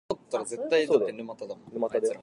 All are Autobots who transform into cars.